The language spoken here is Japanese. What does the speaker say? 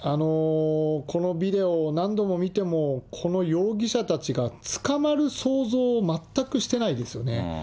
このビデオ、何度も見ても、この容疑者たちが捕まる想像を、全くしてないですよね。